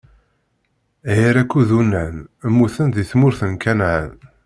Ɛir akked Unan mmuten di tmurt n Kanɛan.